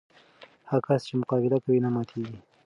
هغه کس چې مقابله کوي، نه ماتېږي.